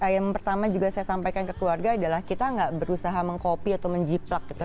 yang pertama juga saya sampaikan ke keluarga adalah kita nggak berusaha mengkopi atau menjiplak gitu